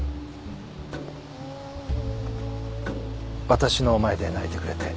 私の前で泣いてくれて。